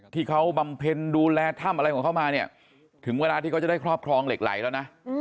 บำเพ็ญดูแลถ้ำอะไรของเขามาเนี่ยถึงเวลาที่เขาจะได้ครอบครองเหล็กไหลแล้วนะ